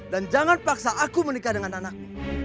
dan jangan paksa aku menikah dengan anakmu